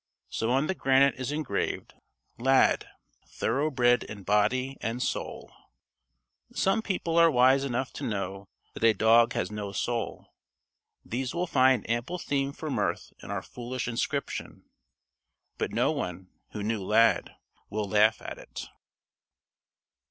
So on the granite is engraved: LAD THOROUGHBRED IN BODY AND SOUL Some people are wise enough to know that a dog has no soul. These will find ample theme for mirth in our foolish inscription. But no one, who knew Lad, will laugh at it.